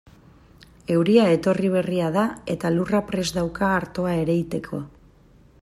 Euria etorri berria da eta lurra prest dauka artoa ereiteko.